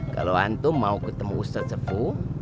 kalau antum mau ketemu ustadz sepuh